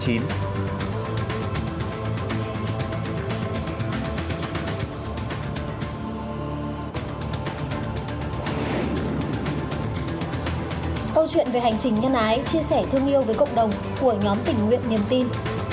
câu chuyện về hành trình nhân ái chia sẻ thương yêu với cộng đồng của nhóm tình nguyện niềm tin